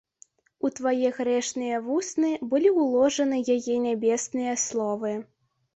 У твае грэшныя вусны былі ўложаны яе нябесныя словы.